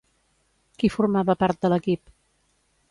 Qui formava part de l'equip?